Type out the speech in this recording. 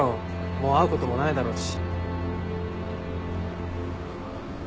もう会うこともないだろうし。